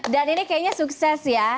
dan ini kayaknya sukses ya